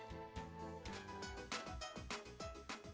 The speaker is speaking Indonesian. jadi kita enggak kelaparan